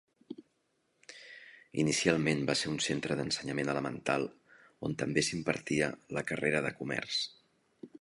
Inicialment va ser un centre d'ensenyament elemental, on també s'impartia la carrera de comerç.